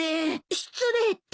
失礼って？